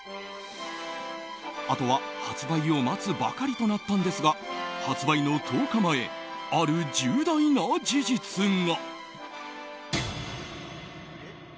あとは発売を待つばかりとなったんですが発売の１０日前ある重大な事実が。